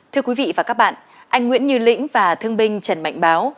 thưa quý vị và các bạn anh nguyễn như lĩnh và thương binh trần mạnh báo